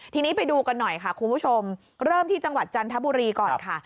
ทีนี้ไปดูกันหน่อยค่ะคุณผู้ชมเริ่มที่จังหวัดจันทบุรีก่อนค่ะ